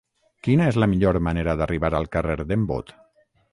Quina és la millor manera d'arribar al carrer d'en Bot?